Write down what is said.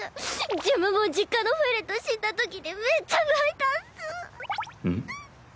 自分も実家のフェレット死んだときにめっちゃ泣いたっス。